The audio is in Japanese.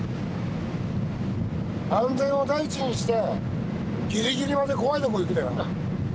安全を第一にしてギリギリまで怖いとこ行くでな。